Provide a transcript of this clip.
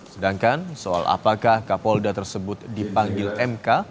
sedangkan soal apakah kapolda tersebut dipanggil mk